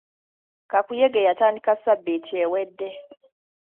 Kakuyege yatandika sabbiiti ewedde.